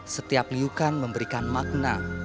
setiap liukan memberikan makna